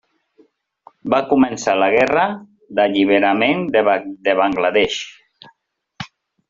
Va començar la Guerra d'Alliberament de Bangla Desh.